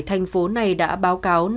thành phố này đã báo cáo